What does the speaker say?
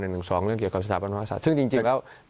เรื่องเกี่ยวกับสถาปันวศาสตร์ซึ่งจริงแล้ว